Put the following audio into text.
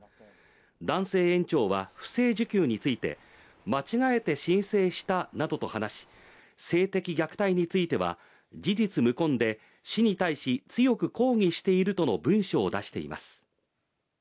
男性園長は不正受給について、間違えて申請したなどと話し性的虐待については、事実無根で市に対し、強く抗議しているとの文書を出しています。